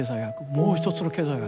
もう一つの経済学